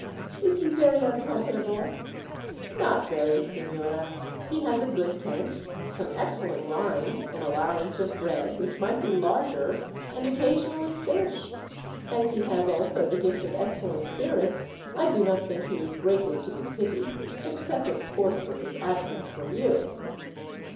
"Is he very uncomfortable?" "Not very, signora. He has a good tent, some excellent wine, an allowance of bread, which might be larger, and occasionally fish. As he has also the gift of excellent spirits, I do not think he is greatly to be pitied except, of course, for his absence from you."